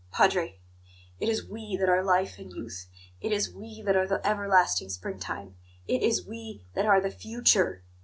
Padre, it is we that are life and youth; it is we that are the everlasting springtime; it is we that are the future!